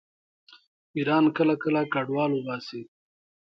ایران کله کله کډوال وباسي.